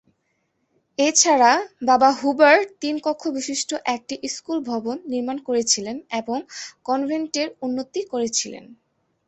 এছাড়া, বাবা হুবার্ট তিন কক্ষবিশিষ্ট একটা স্কুল ভবন নির্মাণ করেছিলেন এবং কনভেন্টের উন্নতি করেছিলেন।